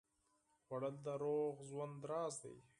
خوړل د روغ ژوند راز دی